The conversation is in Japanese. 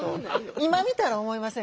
今見たら思いますね。